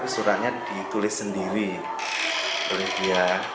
suratnya ditulis sendiri oleh dia